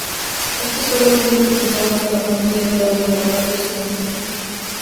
Estos fueron muy utilizados en la familia de ordenadores Century.